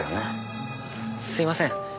すみません。